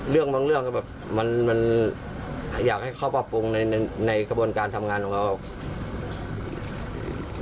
เรื่องบางเรื่องก็แบบมันอยากให้เขาปรับปรุงในกระบวนการทำงานของเขา